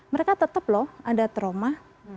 mereka tetap loh ada trauma